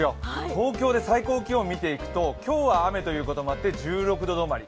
東京で最高気温を見ていくと、今日は雨ということもあって１６度止まり。